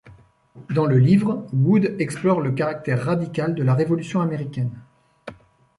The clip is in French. Dans le livre, Wood explore le caractère radical de la Révolution américaine.